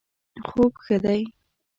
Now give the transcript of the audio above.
خوب ښه دی